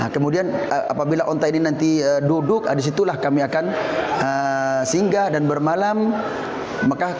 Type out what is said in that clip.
kemudian apabila onta ini nanti dihantar ke tempat lain kita akan menjaga kemampuan kita